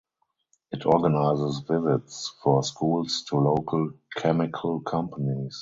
It organises visits for schools to local chemical companies.